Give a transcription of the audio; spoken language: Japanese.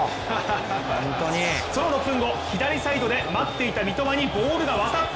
その６分後、左サイドで待っていた三笘にボールが渡った。